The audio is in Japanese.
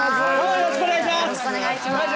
よろしくお願いします！